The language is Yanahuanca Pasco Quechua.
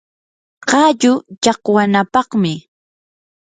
qallu llaqwanapaqmi